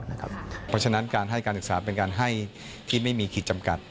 เพราะฉะนั้นการให้การศึกษาเป็นการให้ที่ไม่มีขีดจำกัด